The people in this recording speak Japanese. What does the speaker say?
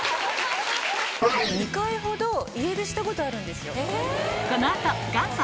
２回ほど家出したことあるんですよ。